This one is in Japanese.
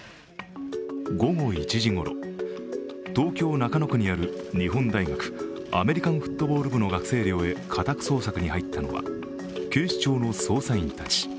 午後１時ごろ、東京・中野区にある日本大学アメリカンフットボール部の学生寮へ家宅捜索に入ったのは、警視庁の捜査員たち。